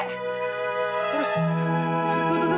tuh tuh tuh lihat tuh